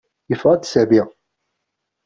Yeffeɣ-d Sami.